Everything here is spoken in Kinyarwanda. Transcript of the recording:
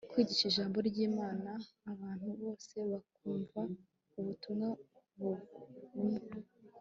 kwigisha ijambo ry' imana abantu bose bakumva ubutumwa bumwwe